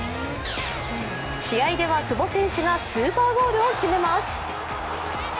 試合では久保選手がスーパーゴールを決めます。